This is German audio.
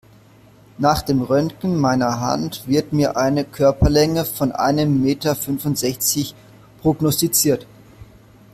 Nach dem Röntgen meiner Hand wird mir eine Körperlänge von einem Meter fünfundsechzig prognostiziert.